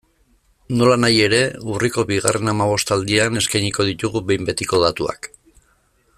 Nolanahi ere, urriko bigarren hamabostaldian eskainiko ditugu behin betiko datuak.